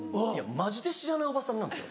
マジで知らないおばさんなんですよ。